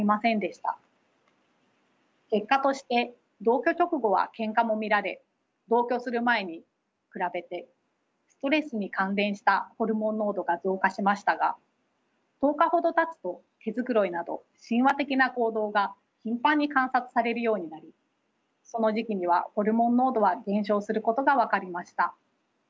結果として同居直後はケンカも見られ同居する前に比べてストレスに関連したホルモン濃度が増加しましたが１０日ほどたつと毛づくろいなど親和的な行動が頻繁に観察されるようになりその時期にはホルモン濃度は減少することが分かりました。